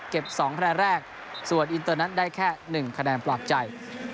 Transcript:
๒คะแนนแรกส่วนอินเตอร์นั้นได้แค่๑คะแนนปลอบใจ